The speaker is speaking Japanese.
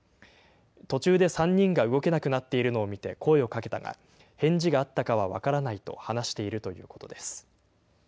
途中で３人が動けなくなっているのを見て声をかけたが、返事があったかは分からないと話しているということです。